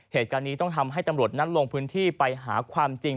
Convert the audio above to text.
เหตุการณ์นี้ต้องทำให้ตำรวจนั้นลงพื้นที่ไปหาความจริง